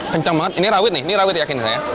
kencang banget ini rawit nih ini rawit yakin saya